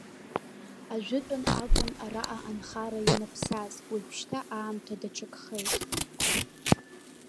Ажәытәан акәын араҟа анхара ианаԥсаз, уажәшьҭа аамҭа даҽакхеит.